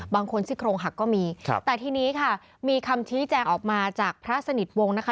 ซี่โครงหักก็มีครับแต่ทีนี้ค่ะมีคำชี้แจงออกมาจากพระสนิทวงศ์นะคะ